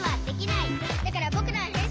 「だからぼくらはへんしんだ！」